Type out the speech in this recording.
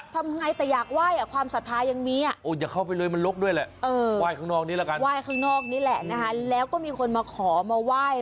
ทำไงแต่อยากไหว้ความสาธารณ์อย่างนี้อย่าเข้าไปเลยมันลกด้วยแหละไหว้ข้างนอกนี้แล้วก็มีคนมาขอมาไหว้